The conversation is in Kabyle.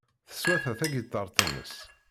Teswata tagiṭart-nnes.